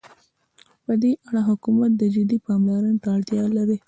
چې په دې اړه د حكومت جدي پاملرنې ته اړتيا ده.